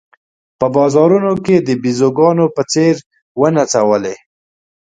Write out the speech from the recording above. په بازارونو کې د بېزوګانو په څېر ونڅولې.